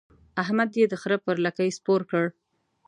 احمد يې د خره پر لکۍ سپور کړ.